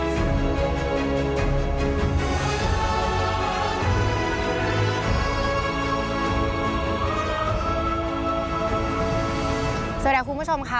สวัสดีคุณผู้ชมค่ะ